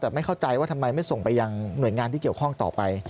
แต่ไม่เข้าใจว่าทำไมไม่ส่งไปยังหน่วยงานที่เกี่ยวข้องต่อไป